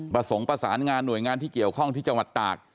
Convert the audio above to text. ประสงค์ประสานงานหน่วยงานที่เกี่ยวข้องที่จังหวัดตาก